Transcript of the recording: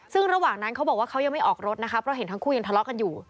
ซึ่งระหว่างนั้นเขาบอกว่าเขายังไม่ออกรถนะคะเพราะเห็นทั้งคู่ยังทะเลาะกันอยู่